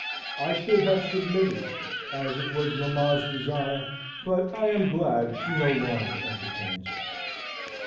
I should have submitted, as it was mamma's desire; but I am glad she no longer entertains it."